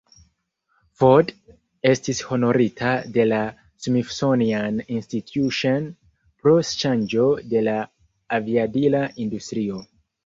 Ford estis honorita de la "Smithsonian Institution" pro ŝanĝo de la aviadila industrio.